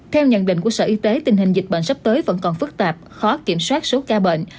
theo nhận định của sở y tế tình hình dịch bệnh sắp tới vẫn còn phức tạp khó kiểm soát số ca bệnh